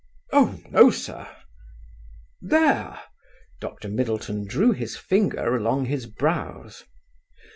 "Oh! no, sir." "There," Dr. Middleton drew his finger along his brows.